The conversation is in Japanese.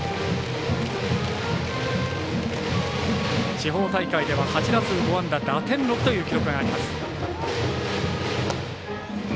地方大会では８打数５安打打点６という記録があります。